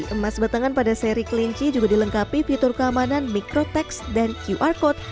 emas batangan pada seri kelinci juga dilengkapi fitur keamanan mikrotext dan qr code